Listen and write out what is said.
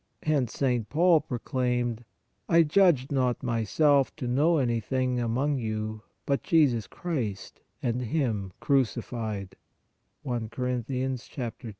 Hence St. Paul proclaimed :" I judged not myself to know anything among you but Jesus Christ and Him crucified " (I Cor.